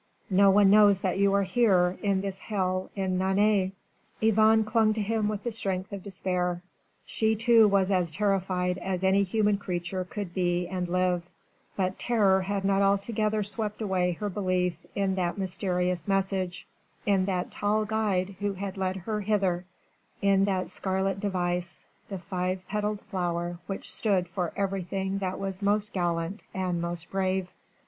No one knows that you are here, in this hell in Nantes." Yvonne clung to him with the strength of despair. She too was as terrified as any human creature could be and live, but terror had not altogether swept away her belief in that mysterious message, in that tall guide who had led her hither, in that scarlet device the five petalled flower which stood for everything that was most gallant and most brave.